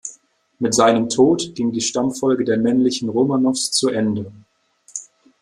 Mit seinem Tod ging die Stammfolge der männlichen Romanows zu Ende.